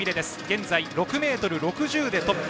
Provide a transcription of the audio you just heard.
現在、６ｍ６０でトップ。